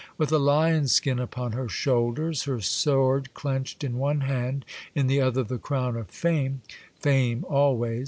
With a lion skin upon her shoulders, her sword clenched in one hand, in the other the crown of Fame {Fame always!)